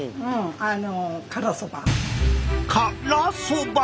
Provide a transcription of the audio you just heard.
からそば？